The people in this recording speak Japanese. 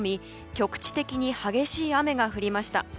局地的に激しい雨が降りました。